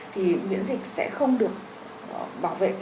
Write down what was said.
thì miễn dịch sẽ không được bảo vệ